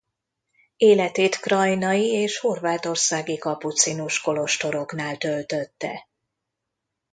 Életét krajnai és horvátországi kapucinus kolostoroknál töltötte.